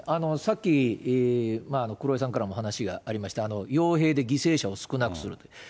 さっき黒井さんからも話がありました、傭兵で犠牲者を少なくすると。